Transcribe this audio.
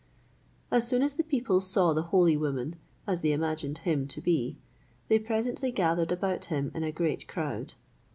As soon as the people saw the holy woman, as they imagined him to be, they presently gathered about him in a great crowd.